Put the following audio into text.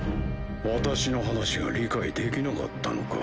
私の話が理解できなかったのか？